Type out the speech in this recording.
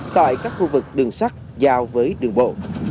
tại các khu vực đường sắt giao với đường bộ